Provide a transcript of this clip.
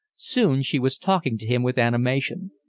Soon she was talking to him with animation.